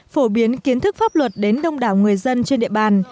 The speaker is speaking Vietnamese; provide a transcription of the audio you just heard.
phổ biến kiến thức pháp luật đến đông đảo người dân trên địa bàn